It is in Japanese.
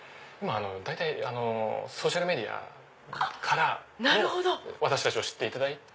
大体ソーシャルメディアから私たちを知っていただいて。